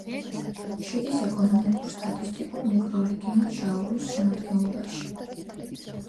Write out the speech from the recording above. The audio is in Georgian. შედის ეკონომიკურ-სტატისტიკურ მიკრორეგიონ ჟაურუს შემადგენლობაში.